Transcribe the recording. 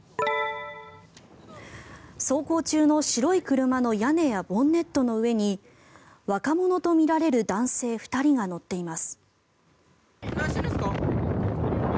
走行中の白い車の屋根やボンネットの上に若者とみられる男性２人が乗っています。